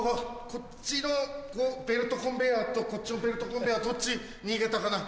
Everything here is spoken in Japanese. こっちのベルトコンベアとこっちのベルトコンベアどっち逃げたかな？